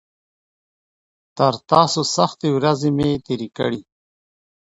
تر تاسو سختې ورځې مې تېرې کړي.